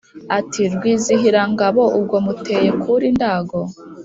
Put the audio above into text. Ati: Rwizihirangabo ubwo muteye kuli Ndago,